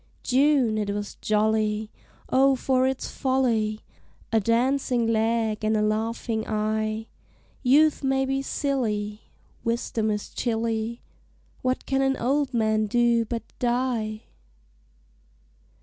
June it was jolly, O for its folly! A dancing leg and a laughing eye! Youth may be silly, Wisdom is chilly, What can an old man do but die?